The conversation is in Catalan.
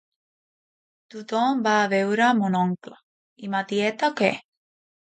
Tothom va a veure mon oncle, i ma tieta què?